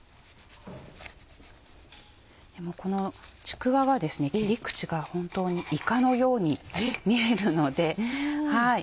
このちくわが切り口が本当にイカのように見えるので。